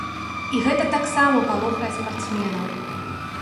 І гэта таксама палохае спартсменаў.